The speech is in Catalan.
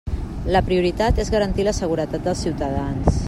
La prioritat és garantir la seguretat dels ciutadans.